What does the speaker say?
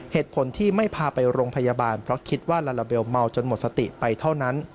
เหตุผลที่ไม่พาไปโรงพยาบาลเพราะคิดว่าลาลาเบลเมาจนหมดสติไปเท่านั้น